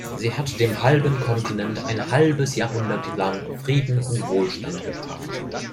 Sie hat dem halben Kontinent ein halbes Jahrhundert lang Frieden und Wohlstand gebracht.